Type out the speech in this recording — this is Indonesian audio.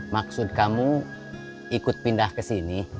maksud kamu ikut pindah ke sini